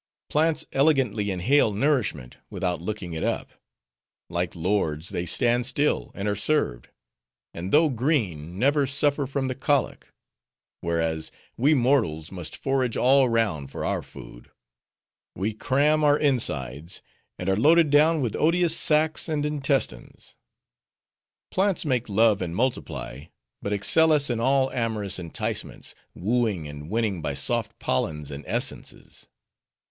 Plants elegantly inhale nourishment, without looking it up: like lords, they stand still and are served; and though green, never suffer from the colic:—whereas, we mortals must forage all round for our food: we cram our insides; and are loaded down with odious sacks and intestines. Plants make love and multiply; but excel us in all amorous enticements, wooing and winning by soft pollens and essences.